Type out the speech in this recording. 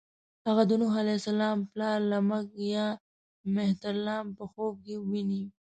هغه د نوح علیه السلام پلار لمک یا مهترلام په خوب کې ويني.